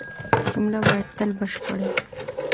جمله باید تل بشپړه يي.